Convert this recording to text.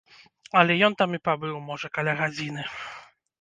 Але ён там і пабыў, можа, каля гадзіны.